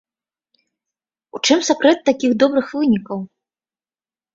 У чым сакрэт такіх добрых вынікаў?